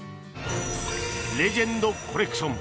レジェンドコレクション